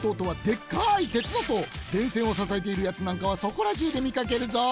でんせんをささえているやつなんかはそこらじゅうでみかけるぞ！